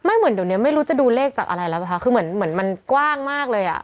เหมือนเดี๋ยวนี้ไม่รู้จะดูเลขจากอะไรแล้วป่ะคะคือเหมือนเหมือนมันกว้างมากเลยอ่ะ